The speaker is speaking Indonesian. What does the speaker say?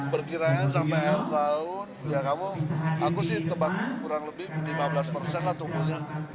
berkiraan sampai akhir tahun ya kamu aku sih tebak kurang lebih lima belas persen lah tubuhnya